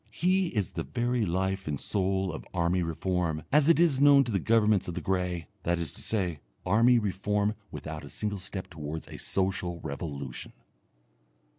He is the very life and soul of army reform, as it is known to the governments of the grey that is to say, army reform without a single step towards a social revolution....